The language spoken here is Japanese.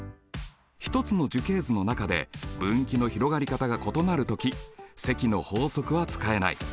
１つの樹形図の中で分岐の広がり方が異なる時積の法則は使えない。